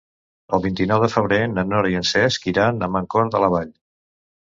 El vint-i-nou de febrer na Nora i en Cesc iran a Mancor de la Vall.